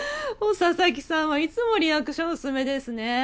ささきさんはいつもリアクション薄めですね。